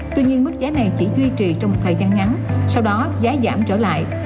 tuy nhiên mức giá này chỉ duy trì trong một thời gian ngắn sau đó giá giảm trở lại